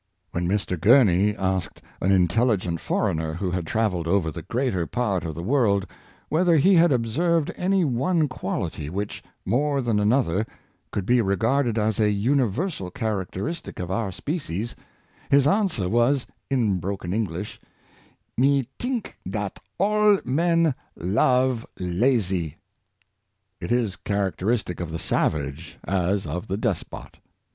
When Mr. Gurney asked an intelligent foreigner who had travelled over the greater part of the world, whether he had observed any one quality which, more than another, could be regarded as a universal charac teristic of our species, his answer was, in broken Eng lish, " Me tink dat all men love lazy^ It is character istic of the savage as of the despot.